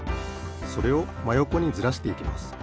それをまよこにずらしていきます。